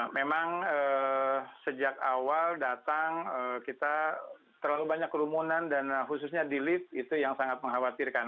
memang sejak awal datang kita terlalu banyak kerumunan dan khususnya di lift itu yang sangat mengkhawatirkan